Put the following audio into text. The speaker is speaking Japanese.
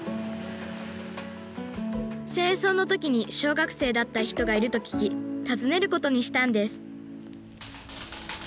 戦争の時に小学生だった人がいると聞き訪ねることにしたんですこんにちは。